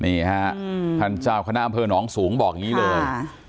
นี้ครับท่านเจ้าคณะอำเภอน้องสูงบอกอย่างนี้เลยครับ